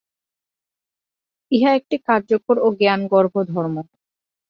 ইহা একটি কার্যকর ও জ্ঞানগর্ভ ধর্ম।